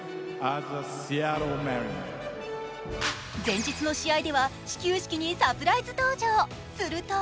前日の試合では始球式にサプライズ登場。